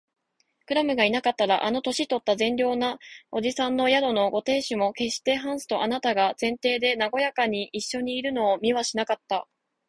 クラムがいなかったら、あの年とった善良な伯父さんの宿のご亭主も、けっしてハンスとあなたとが前庭でなごやかにいっしょにいるのを見はしなかった